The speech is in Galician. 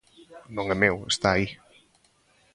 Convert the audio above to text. Non é meu, está aí.